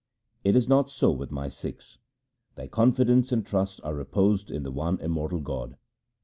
It is not so with my Sikhs. Their confidence and trust are reposed in the one immortal God.